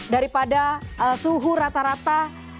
daripada suhu rata rata